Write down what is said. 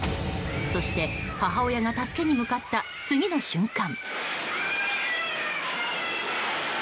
そして、母親が助けに向かった次の瞬間。